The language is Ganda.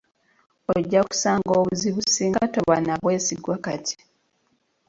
Ojja kusanga obuzibu singa toba nabwesigwa kati.